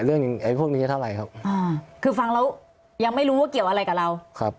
ไอ้พวกนี้เท่าไหร่ครับอ่าคือฟังแล้วยังไม่รู้ว่าเกี่ยวอะไรกับเราครับ